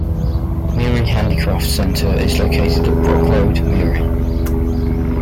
Miri Handicraft Centre is located at Brooke Road, Miri.